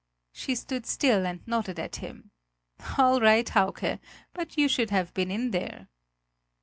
She stood still and nodded at him: "All right, Hauke but you should have been in there!"